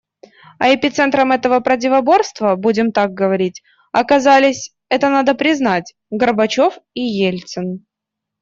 А эпицентром этого противоборства, будем так говорить, оказались, это надо признать, Горбачев и Ельцин.